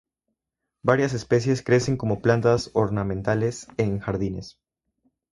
Varias especies crecen como planta ornamentales en jardines.